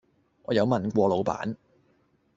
我有問過老闆